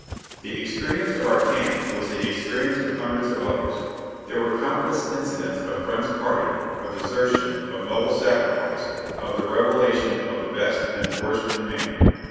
The experience of our camp was the experience of hundreds of others: there were countless incidents of friends parting; of desertion; of noble sacrifice; of the revelation of the best and the worst in man.